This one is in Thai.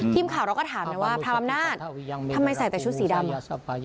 ทีมข่าวเราก็ถามนะว่าพรามอำนาจทำไมใส่แต่ชุดสีดำ